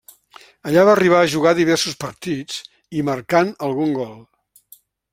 Allà va arribar a jugar diversos partits i marcant algun gol.